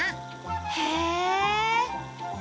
へえ！